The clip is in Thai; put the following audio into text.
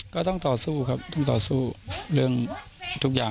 ก็ต้องต่อสู้ครับต้องต่อสู้เรื่องทุกอย่าง